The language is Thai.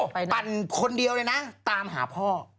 ปั่นคนเดียวเลยนะตามหาพ่อ